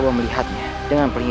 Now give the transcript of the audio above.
masih sengaja berkejsir